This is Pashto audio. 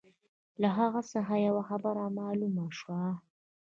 له هغه څخه یوه خبره معلومه شوه.